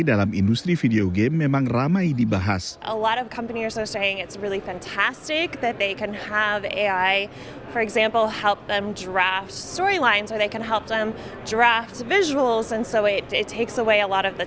dan jadi itu mengambil banyak waktu yang akan dilaburkan oleh tim mereka di atas tugas tugas itu